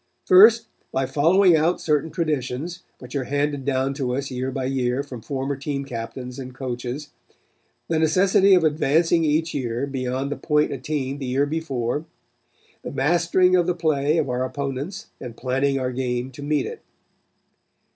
First, by following out certain traditions, which are handed down to us year by year from former team captains and coaches; the necessity of advancing each year beyond the point attained the year before; the mastering of the play of our opponents and planning our game to meet it.